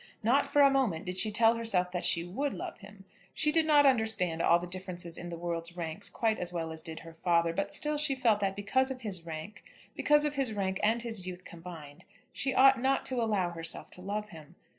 Not for a moment did she tell herself that she would love him. She did not understand all the differences in the world's ranks quite as well as did her father, but still she felt that because of his rank, because of his rank and his youth combined, she ought not to allow herself to love him.